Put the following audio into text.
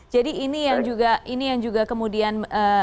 jadi ini yang juga kemudian